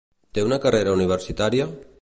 Té una carrera universitària?